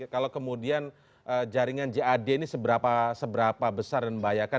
kalau kemudian jaringan jad ini seberapa besar dan membahayakan